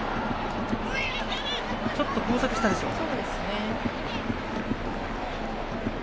ちょっと交錯したでしょうか。